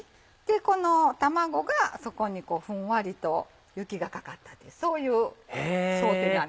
この卵がそこにふんわりと雪がかかったっていうそういう想定なんです。